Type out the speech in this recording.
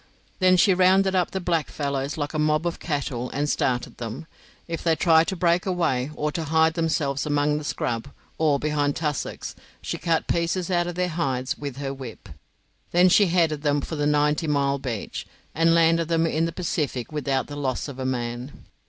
Then she rounded up the blackfellows like a mob of cattle and started them. If they tried to break away, or to hide themselves among the scrub, or behind tussocks, she cut pieces out of their hides with her whip. Then she headed them for the Ninety mile Beach, and landed them in the Pacific without the loss of a man.